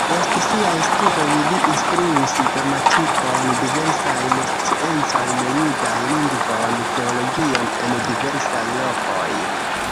Post siaj studoj li instruis gramatikon, diversajn sciencojn, judan lingvon, teologion en diversaj lokoj.